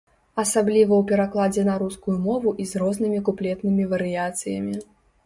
Асабліва ў перакладзе на рускую мову і з рознымі куплетнымі варыяцыямі.